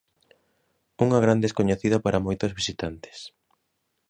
Unha gran descoñecida para moitos visitantes.